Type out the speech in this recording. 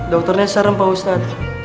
dokternya serem pak ustadz